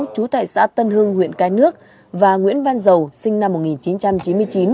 trú tại xã tân hưng huyện cái nước và nguyễn văn giàu sinh năm một nghìn chín trăm chín mươi chín